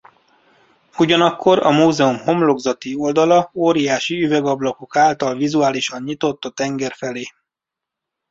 Ugyanakkor a múzeum homlokzati oldala órási üvegablakok által vizuálisan nyitott a tenger felé.